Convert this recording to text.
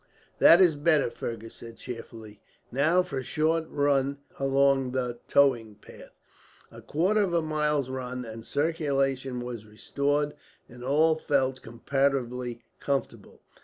"That is better," Fergus said cheerfully. "Now for a run along the towing path." A quarter of a mile's run and circulation was restored, and all felt comparatively comfortable.